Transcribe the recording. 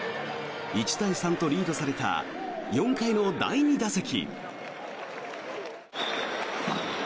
１対３とリードされた４回の第２打席。